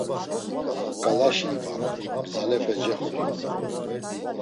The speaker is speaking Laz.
Ǩalaşi ibaru, gzalepe cexombu.